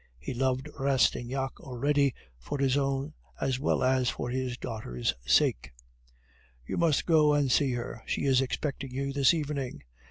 He loved Rastignac already for his own as well as for his daughter's sake. "You must go and see her; she is expecting you this evening.